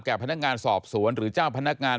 พนักงานสอบสวนหรือเจ้าพนักงาน